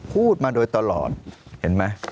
พูดมาโดยตลอดเห็นไหม